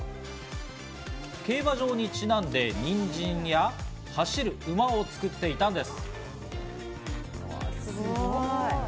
競馬場にちなんで、にんじんや走る馬を作っていたんです。